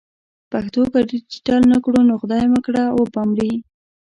پښتو که ډیجیټل نه کړو نو خدای مه کړه و به مري.